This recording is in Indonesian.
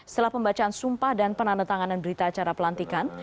setelah pembacaan sumpah dan penandatanganan berita acara pelantikan